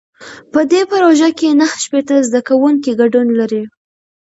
په دې پروژه کې نهه شپېته زده کوونکي ګډون لري.